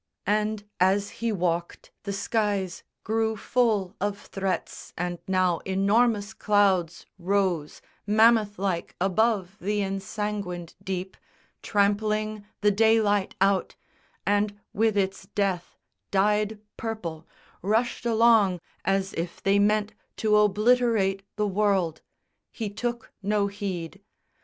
And, as he walked, the skies Grew full of threats, and now enormous clouds Rose mammoth like above the ensanguined deep, Trampling the daylight out; and, with its death Dyed purple, rushed along as if they meant To obliterate the world. He took no heed.